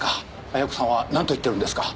亜矢子さんはなんと言っているんですか？